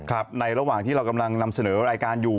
ในระหว่างที่เรากำลังนำเสนอรายการอยู่